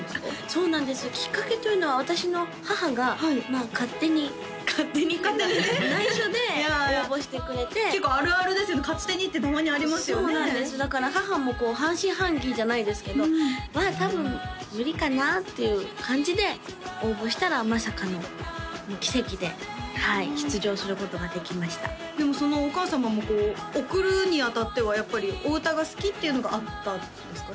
そうなんですきっかけというのは私の母が勝手に勝手にというか内緒で応募してくれて結構あるあるですよね「勝手に」ってたまにありますよねそうなんですだから母も半信半疑じゃないですけどまあ多分無理かなっていう感じで応募したらまさかの奇跡ではい出場することができましたでもそのお母様もこう送るにあたってはやっぱりお歌が好きっていうのがあったんですかね？